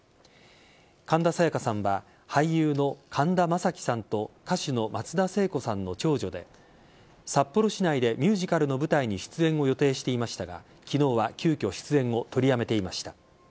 神田沙也加さんは俳優の神田正輝さんと歌手の松田聖子さんの長女で札幌市内でミュージカルの舞台に出演を予定していましたが昨日は急きょ出演を取りやめていました。